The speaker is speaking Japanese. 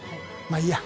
「まあいいや」。